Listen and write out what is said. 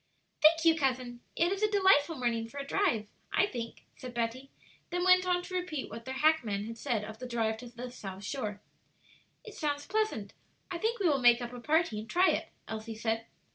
"Thank you, cousin. It is a delightful morning for a drive, I think," said Betty; then went on to repeat what their hackman had said of the drive to the South Shore. "It sounds pleasant. I think we will make up a party and try it," Elsie said.